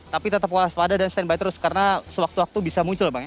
tapi tetap waspada dan standby terus karena sewaktu waktu bisa muncul bang ya